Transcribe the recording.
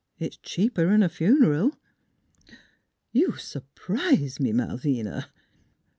" It's cheaper 'n a fun'ral." ' You sur prise me, Malvina